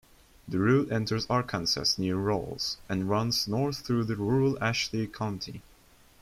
The route enters Arkansas near Rawls and runs north through rural Ashley County.